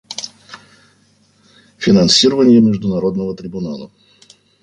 Финансирование Международного трибунала.